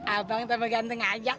abang tambah ganteng aja